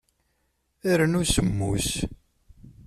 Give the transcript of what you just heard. Rnu semmus.